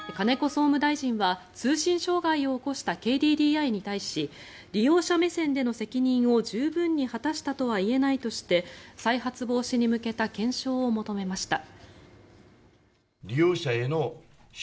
総務大臣は通信障害を起こしたＫＤＤＩに対し利用者目線での責任を十分に果たしたとはいえないとして再発防止に向けた検証を求めました。